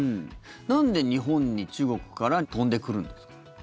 なんで日本に中国から飛んでくるんですか？